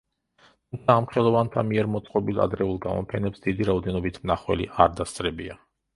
თუმცა ამ ხელოვანთა მიერ მოწყობილ ადრეულ გამოფენებს დიდი რაოდენობით მნახველი არ დასწრებია.